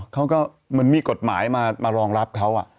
อ๋อเขาก็มันมีกฎหมายมารองรับเขาอ่ะ